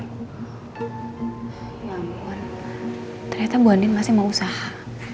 ya ampun ternyata bu andien masih mau usaha